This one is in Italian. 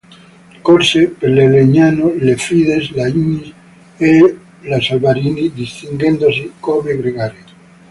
Corse per la Legnano, la Fides, la Ignis e la Salvarani, distinguendosi come gregario.